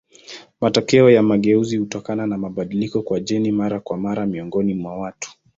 Matokeo ya mageuzi hutokana na mabadiliko kwa jeni mara kwa mara miongoni mwa watu.